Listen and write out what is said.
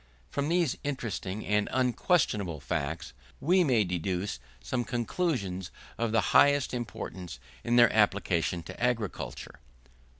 From these interesting and unquestionable facts, we may deduce some conclusions of the highest importance in their application to agriculture.